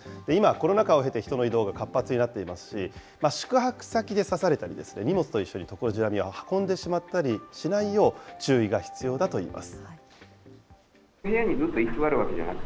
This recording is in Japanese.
今、コロナ禍を経て人の移動が活発になっていますし、宿泊先で刺されたり、荷物と一緒にトコジラミを運んでしまったりしないよう、注意が必要だといいます。